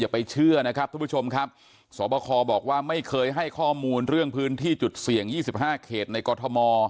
ไปเชื่อนะครับทุกผู้ชมครับสวบคบอกว่าไม่เคยให้ข้อมูลเรื่องพื้นที่จุดเสี่ยง๒๕เขตในกรทม